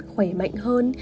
khỏe mạnh hơn